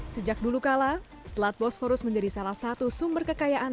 sejak dulu kala selat bosphorus menjadi salah satu sumber kekayaan